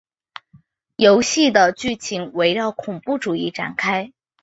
游戏的剧情围绕恐怖主义展开。